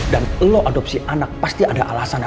dan lo adopsi anak pasti ada alasan ya